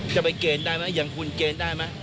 จะไปเกณฑ์ได้มั้ยอย่างคุณเกณฑ์ได้มั้ย